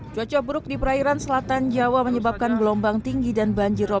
cua cua buruk di perairan selatan jawa menyebabkan gelombang tinggi dan banjir